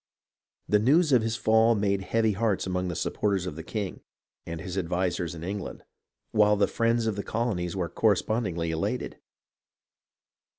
The news of his fall made heavy hearts among the supporters of the king, and his advisers in England ; while the friends of the colonies were correspondingly elated.